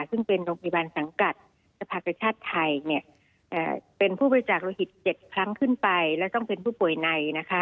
ซึ่งเป็นโรงพยาบาลสังกัดสภากชาติไทยเป็นผู้บริจาคโลหิต๗ครั้งขึ้นไปและต้องเป็นผู้ป่วยในนะคะ